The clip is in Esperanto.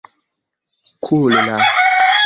Kulla!